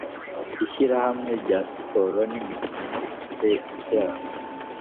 ishyirahamwe rya siporo n imikino rifite ibyaha